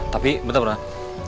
tapi bentar brant